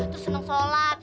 terus senang sholat